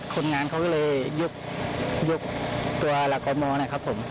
คนงานเขาก็เลยยกตัวหลักอมอนะครับผม